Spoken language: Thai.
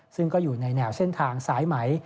ซึ่งก็อยู่ในแนวเส้นทางสายไหม